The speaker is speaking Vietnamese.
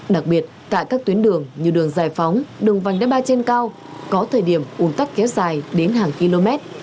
đặc biệt tại các tuyến đường như đường giải phóng đường vành đai ba trên cao có thời điểm ủn tắc kéo dài đến hàng km